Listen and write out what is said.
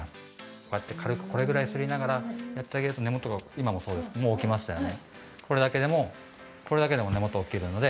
こうやって軽くこれぐらい、すりながらやってあげると根元がもう起きましたよね。